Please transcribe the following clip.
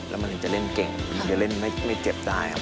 แล้วมันถึงจะเล่นเก่งถึงจะเล่นไม่เจ็บตายครับ